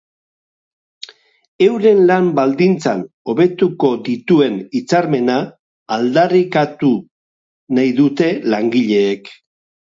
Euren lan baldintzak hobetuko dituen hitzarmena aldarrikatu nahi dute langileek.